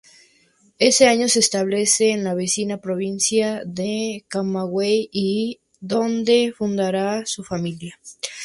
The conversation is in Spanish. Ese año se establece en la vecina provincia de Camagüey donde fundará su familia.